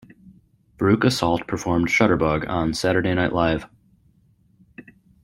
Veruca Salt performed "Shutterbug" on "Saturday Night Live".